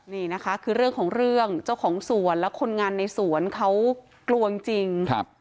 นี่นะคะคือเรื่องของเรื่องเจ้าของสวนและคนงานในสวนเขากลัวจริง